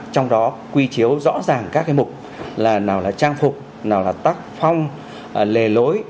trong đó quy chiếu rõ ràng các cái mục là nào là trang phục nào là tác phong lề lối